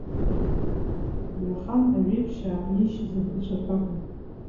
Уи ахан Ажәеԥшьаа иишьыз адауцәа ртәы акәын.